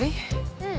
うん。